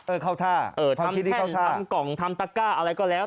เออเข้าท่าเออทำแข้งทำกล่องทำตั๊กก้าอะไรก็แล้ว